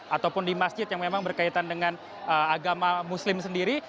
ataupun di masjid yang memang berkaitan dengan agama muslim sendiri